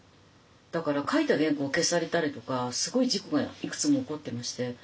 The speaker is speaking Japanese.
だから書いた原稿を消されたりとかすごい事故がいくつも起こってまして。